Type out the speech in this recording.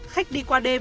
khách đi qua đêm